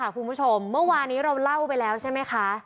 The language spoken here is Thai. คุณผู้ชมเมื่อวานี้เราเล่าไปแล้วใช่ไหมคะ